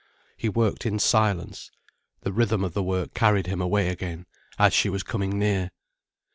He worked in silence. The rhythm of the work carried him away again, as she was coming near.